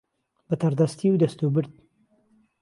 به تهڕدهستی و دهست و برد